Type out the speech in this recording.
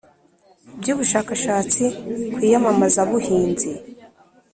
By ubushakashatsi ku iyamamazabuhinzi